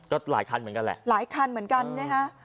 ก็หลายคันเหมือนกันแหละหลายคันเหมือนกันนะฮะ